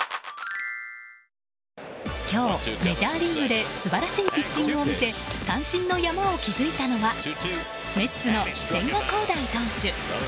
今日、メジャーリーグで素晴らしいピッチングを見せ三振の山を築いたのはメッツの千賀滉大投手。